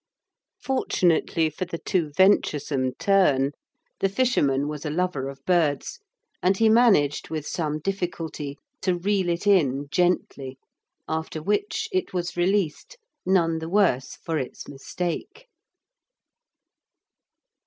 Fortunately for the too venturesome tern the fisherman was a lover of birds, and he managed with some difficulty to reel it in gently, after which it was released none the worse for its mistake.